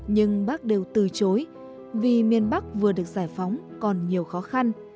nhưng bác đều từ chối vì miền bắc vừa được giải phóng còn nhiều khó khăn